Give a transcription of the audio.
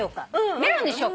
メロンにしようか？